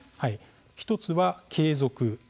１つは、継続です。